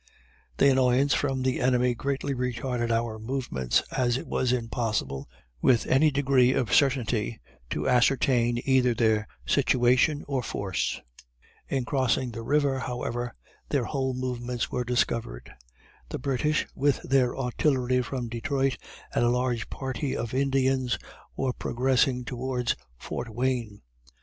The annoyance from the enemy greatly retarded our movements, as it was impossible, with any degree of certainty, to ascertain either their situation or force. In crossing the river, however, their whole movements were discovered. The British, with their artillery from Detroit, and a large party of Indians, were progressing towards Fort Wayne.